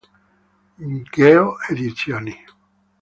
Geo Edizioni.